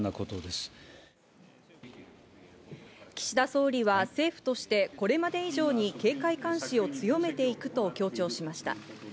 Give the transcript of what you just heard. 岸田総理は政府としてこれまで以上に警戒監視を強めていくと強調しました。